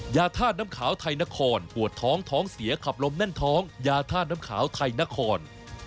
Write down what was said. ยาธาตุน้ำขาวไทยนครปวดท้องท้องเสียขับลมแน่นท้องยาท่าน้ำขาวไทยนคร